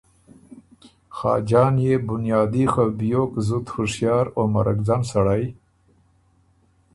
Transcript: خاجان يې بُنیادي خه بيوک زُت هُشیار او مرکځن سړئ۔